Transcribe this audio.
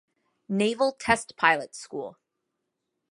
Naval Test Pilot School.